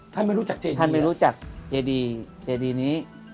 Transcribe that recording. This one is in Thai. ท่านไม่รู้จักเจดีนี้ท่านไม่รู้จักเจดีนี้